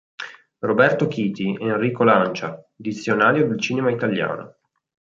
Roberto Chiti, Enrico Lancia, "Dizionario del cinema italiano.